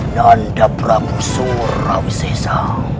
nanda prabu surawisesa